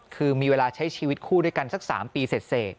คือมีเวลาใช้ชีวิตคู่ด้วยกันสัก๓ปีเสร็จ